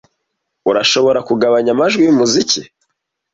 Urashobora kugabanya amajwi yumuziki?